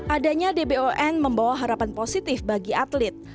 adanya dbon membawa harapan positif bagi atlet